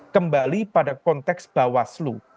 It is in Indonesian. kembali pada konteks bawaslu